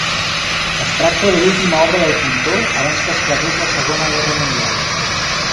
Es tracta de l'última obra del pintor abans que esclatés la Segona Guerra Mundial.